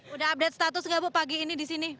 udah update status gak bu pagi ini di sini